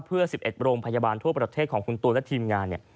เพื่อ๑๑โรงพยาบาลทั่วประเทศของคุณตูนและทีมงาน